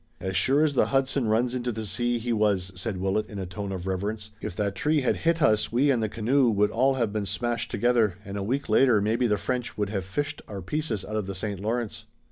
"As sure as the Hudson runs into the sea, he was," said Willet in a tone of reverence. "If that tree had hit us we and the canoe would all have been smashed together and a week later maybe the French would have fished our pieces out of the St. Lawrence."